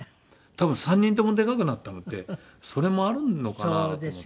多分３人ともでかくなったのってそれもあるのかなと思って。